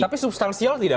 tapi substansial tidak